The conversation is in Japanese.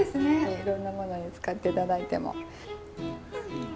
いろんなものに使って頂いても。